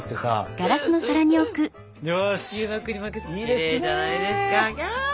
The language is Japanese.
きれいじゃないですか！